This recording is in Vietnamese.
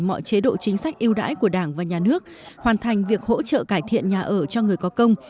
mọi chế độ chính sách yêu đãi của đảng và nhà nước hoàn thành việc hỗ trợ cải thiện nhà ở cho người có công